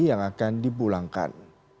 yang akan dipulangkan